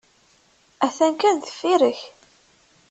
Atan kan deffir-k.